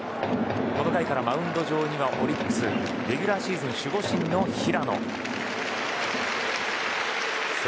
この回からマウンド上にはオリックスレギュラーシーズン守護神の平野。